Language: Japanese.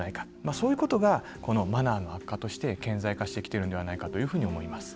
そういうことがこのマナーの悪化として顕在化してきてるんではないかというふうに思います。